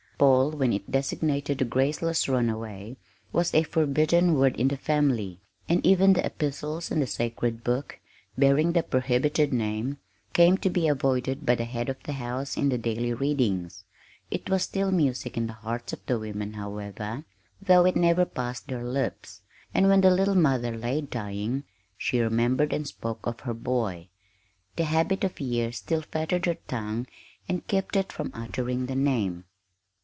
"Paul," when it designated the graceless runaway, was a forbidden word in the family, and even the Epistles in the sacred Book, bearing the prohibited name, came to be avoided by the head of the house in the daily readings. It was still music in the hearts of the women, however, though it never passed their lips; and when the little mother lay dying she remembered and spoke of her boy. The habit of years still fettered her tongue and kept it from uttering the name.